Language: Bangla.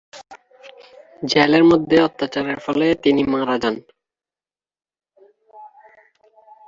জেলের মধ্যে অত্যাচারের ফলে তিনি মারা যান।